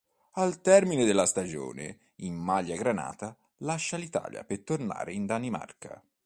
Al termine della stagione in maglia granata, lascia l'Italia per tornare in Danimarca.